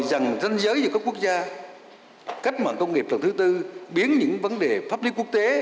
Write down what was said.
bằng dân giới và các quốc gia cách mạng công nghiệp phần thứ tư biến những vấn đề pháp lý quốc tế